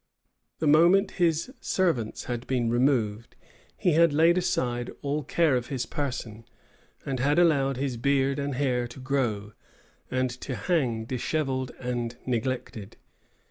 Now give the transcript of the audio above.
The moment his servants had been removed, he had laid aside all care of his person, and had allowed his beard and hair to grow, and to hang dishevelled and neglected.